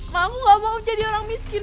mak maku gak mau jadi orang miskin